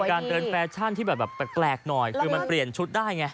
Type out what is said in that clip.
การเดินแฟชั่นที่แบบแปลกหน่อยคือมันเปลี่ยนชุดได้ไง